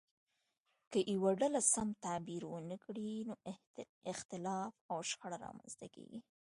که یوه ډله سم تعبیر ونه کړي نو اختلاف او شخړه رامنځته کیږي.